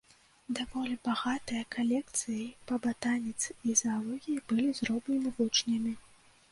Даволі багатыя калекцыі па батаніцы і заалогіі былі зроблены вучнямі.